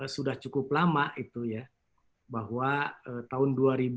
sudah cukup lama itu ya bahwa tahun